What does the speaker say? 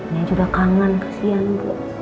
nih aja udah kangen kasihan bu